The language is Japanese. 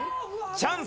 チャンス！